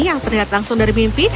yang terlihat langsung dari mimpi